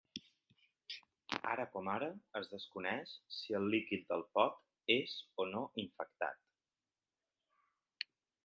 Ara com ara, es desconeix si el líquid del pot és o no infectat.